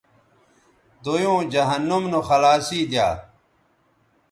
دویوں جہنم نو خلاصی دی یا